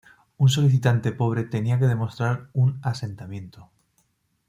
Un solicitante pobre tenía que demostrar un "asentamiento".